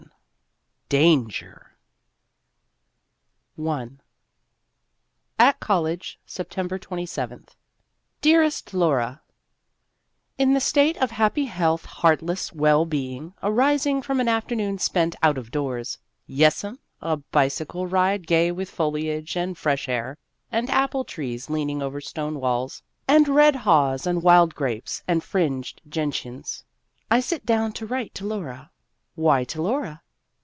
XI DANGER ! I AT COLLEGE, September 27th. DEAREST LAURA : IN the state of happy healthy heartless well being arising from an afternoon spent out of doors (yes 'm, a bicycle ride gay with foliage and fresh air, and apple trees lean ing over stone walls, and red haws and wild grapes and fringed gentians), I sit down to write to Laura. Why to Laura